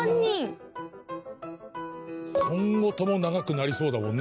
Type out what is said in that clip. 今後とも長くなりそうだもんね